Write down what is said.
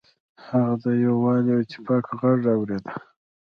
هغه د یووالي او اتفاق غږ اوریده.